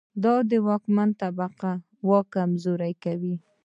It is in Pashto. دا د واکمنې طبقې واک کمزوری کوي.